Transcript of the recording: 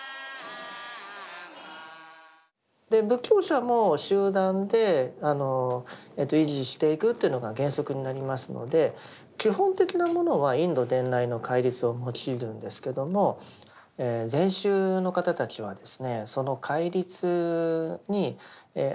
仏教者も集団で維持していくというのが原則になりますので基本的なものはインド伝来の戒律を用いるんですけどもそれを「清規」という名前で呼んでいます。